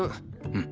うん。